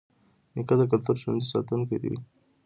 نیکه د کلتور ژوندي ساتونکی وي.